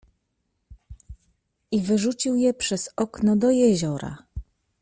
"I wyrzucił je przez okno do jeziora."